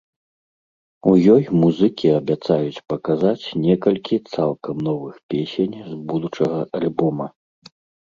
У ёй музыкі абяцаюць паказаць некалькі цалкам новых песень з будучага альбома.